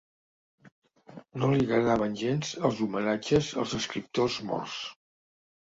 No li agradaven gens els homenatges als escriptors morts.